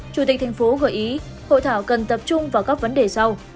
chủ tịch tp hcm gợi ý hội thảo cần tập trung vào các vấn đề sau